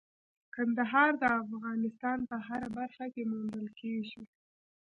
کندهار د افغانستان په هره برخه کې موندل کېږي.